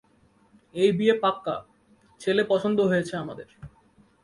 এই বিয়ে পাক্কা। ছেলে পছন্দ হয়েছে আমাদের।